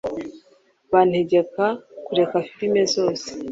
bantegeka kureka filimi zose